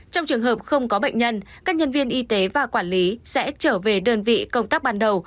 trong trường hợp không có bệnh nhân các nhân viên y tế và quản lý sẽ trở về đơn vị công tác ban đầu